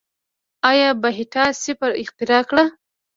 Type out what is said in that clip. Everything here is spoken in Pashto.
آریابهټا صفر اختراع کړ.